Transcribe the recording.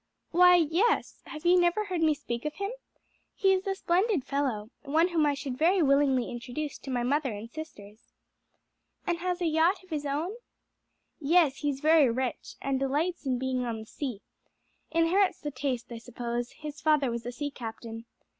"Why, yes; have you never heard me speak of him? He's a splendid fellow, one whom I should very willingly introduce to my mother and sisters." "And has a yacht of his own?" "Yes; he's very rich, and delights in being on the sea. Inherits the taste, I suppose; his father was a sea captain.